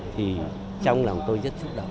thì trong lòng tôi rất xúc động